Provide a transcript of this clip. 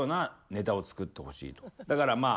だからまあ